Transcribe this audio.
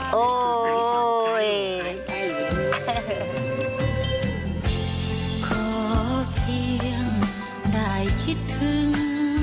เพราะเพียงได้คิดถึง